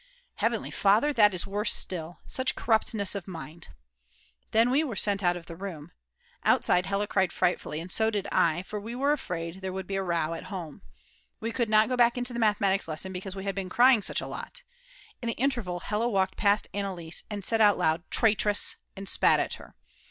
"Heavenly Father, that is worse still; such corruptness of mind!" Then we were sent out of the room. Outside, Hella cried frightfully, and so did I, for we were afraid there would be a row at home. We could not go back into the Mathematic lesson because we had been crying such a lot. In the interval Hella walked past Anneliese and said out loud: "Traitress!!" and spat at her.